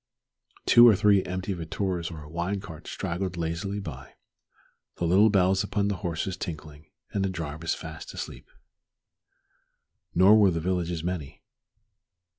Two or three empty vetturas or a wine cart straggled lazily by, the little bells upon the horses tinkling, and the drivers fast asleep. Nor were the villages many.